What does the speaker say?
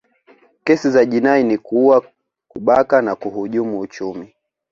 kesi za jinai ni kuua kubaka na kuhujumu uchumi